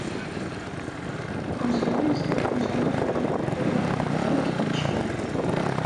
Комсомолец ден комсомолка-влак у формо вургемым чиеныт.